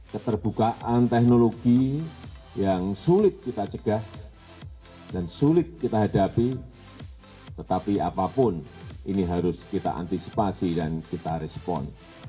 keterbukaan teknologi yang sulit kita cegah dan sulit kita hadapi tetapi apapun ini harus kita antisipasi dan kita respon